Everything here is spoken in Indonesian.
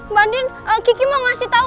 mbak andin kiki mau ngasih tahu